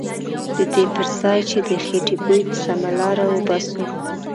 ددې پرځای چې د خیټې بوی په سمه لاره وباسو.